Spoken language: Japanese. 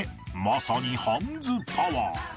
まさにハンズパワー